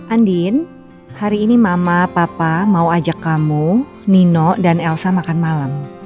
andin hari ini mama papa mau ajak kamu nino dan elsa makan malam